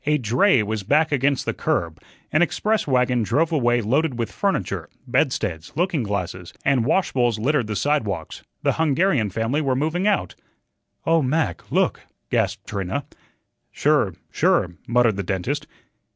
A dray was back against the curb, an express wagon drove away loaded with furniture; bedsteads, looking glasses, and washbowls littered the sidewalks. The Hungarian family were moving out. "Oh, Mac, look!" gasped Trina. "Sure, sure," muttered the dentist.